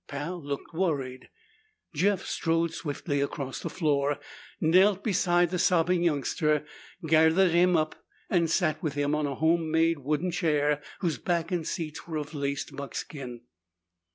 Pal looked worried. Jeff strode swiftly across the floor, knelt beside the sobbing youngster, gathered him up, and sat with him on a homemade wooden chair whose back and seat were of laced buckskin.